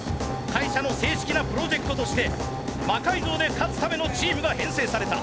会社の正式なプロジェクトとして「魔改造」で勝つためのチームが編成された。